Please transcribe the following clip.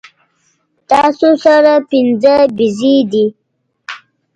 تاسو سره پنځۀ بيزې دي